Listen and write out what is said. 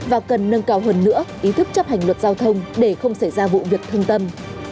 và cần nâng cao hơn nữa ý thức chấp hành luật giao thông để không xảy ra vụ việc thương tâm